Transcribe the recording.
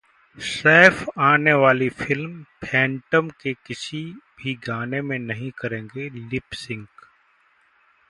सैफ आने वाली फिल्म 'फैंटम' के किसी भी गाने में नहीं करेंगे 'लिप सिंक'